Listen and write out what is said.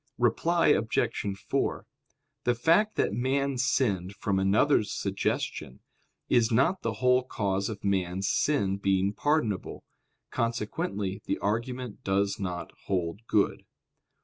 Reply Obj. 4: The fact that man sinned from another's suggestion, is not the whole cause of man's sin being pardonable. Consequently the argument does not hold good.